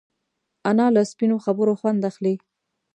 انا له سپینو خبرو خوند اخلي